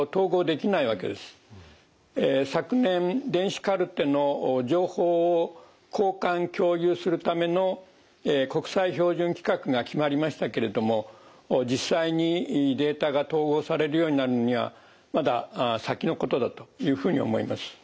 昨年電子カルテの情報を交換共有するための国際標準規格が決まりましたけれども実際にデータが統合されるようになるにはまだ先のことだというふうに思います。